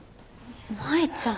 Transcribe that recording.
舞ちゃん。